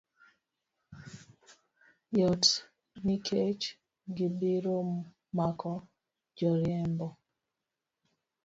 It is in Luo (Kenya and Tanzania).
Yot nikech gibiro mako joriembo